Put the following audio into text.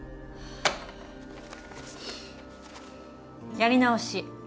やり直し